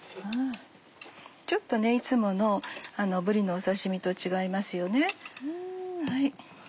ちょっといつものぶりのお刺身と違いますよね。